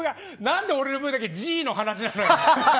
何で俺のＶだけＧの話なのよ！